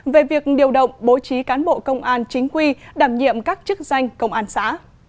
về việc điều động bố trí cán bộ công an chính quy đảm nhiệm các chức danh công an xã